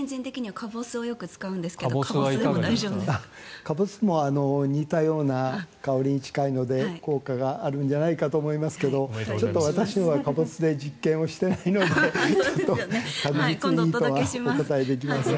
カボスも似たような香りに近いので効果があるんじゃないかと思いますけどちょっと私はカボスで実験していないので確実にいいとはお答えできません。